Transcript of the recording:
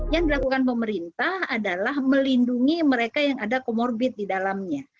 yang dilakukan pemerintah adalah melindungi mereka yang ada comorbid di dalamnya